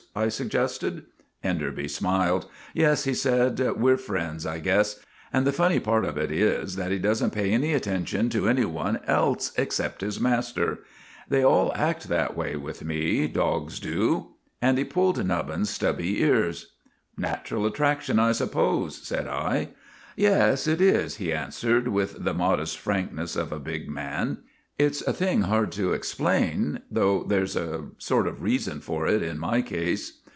I suggested. Enderby smiled. " Yes," he said, "we're friends, I guess. And the funny part of it is that he does n't pay any attention to any one else except his master. They all act that way wjtli, rne^dqgs do." Ariel he pulled NobkirTs^sfubby ears. " Natural attraction, I suppose t ^3i <^" Yes, it is," he answered^ with the modest jrankr 6 GULLIVER THE GREAT ness of a big man. 'It's a thing hard to explain, though there 's a sort of reason for it in my case."